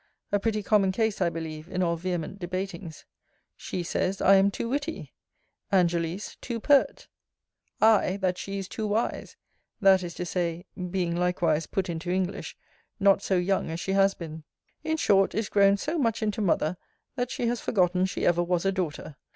A pretty common case, I believe, in all vehement debatings. She says, I am too witty; Angelice, too pert: I, That she is too wise; that is to say, being likewise put into English, not so young as she has been: in short, is grown so much into mother, that she has forgotten she ever was a daughter.